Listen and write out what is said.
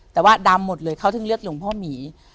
แต่ว่าดำหมดเลยเขาถึงเลือดหลวงพ่อหมี